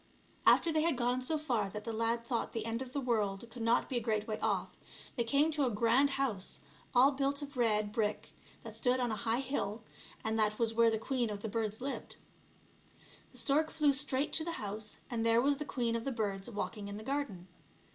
After they had gone so far that the lad thought the end of the world could not be a great way off, they came to a grand house, all built of red brick, that stood on a high hill, and that was where the queen of the birds lived. The stork flew straight to the house, and there was the queen of the birds walking in the garden.